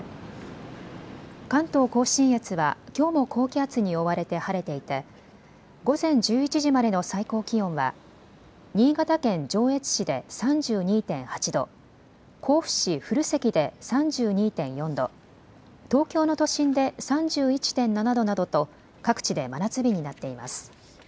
関東甲信越はきょうも高気圧に覆われて晴れていて午前１１時までの最高気温は新潟県上越市で３２．８度、甲府市古関で３２．４度、東京の都心で３１．７度などと各地で真夏日になっています。